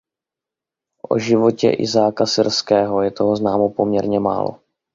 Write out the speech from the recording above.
O životě Izáka Syrského je toho známo poměrně málo.